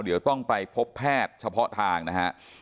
เดี๋ยวต้องไปพบแพทย์เฉพาะทางนะฮะ